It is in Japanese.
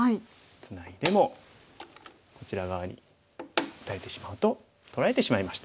ツナいでもこちら側に打たれてしまうと取られてしまいました。